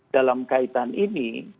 dalam kaitan ini